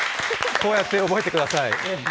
こうやって覚えてください。